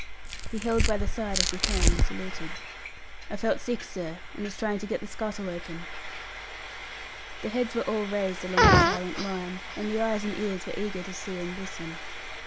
He held by the side as he came, and saluted. "I felt sick, sir, and was trying to get the scuttle open." The heads were all raised along the silent line, and eyes and ears were eager to see and listen.